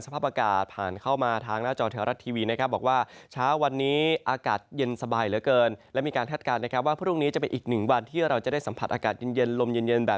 สภาพอากาศผ่านเข้ามาทางหน้าจอเทราทราชทีวีบอกว่า